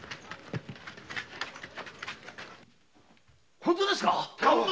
本当ですか？